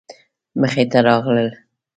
مخې ته راغلل.